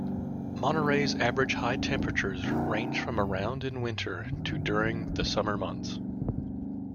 Monterey's average high temperatures range from around in winter to during the summer months.